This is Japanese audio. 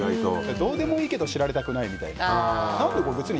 どうでもいいけど知られたくないみたいな。